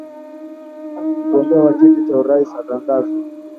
mgombea wa kiti cha urais atatangazwa